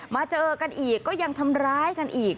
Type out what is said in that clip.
เจอกันอีกก็ยังทำร้ายกันอีก